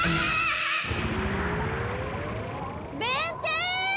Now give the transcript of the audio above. ・弁天！